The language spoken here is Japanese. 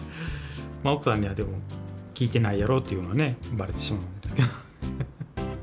奥さんにはでも「聞いてないやろ」っていうのはねバレてしまうんですけど。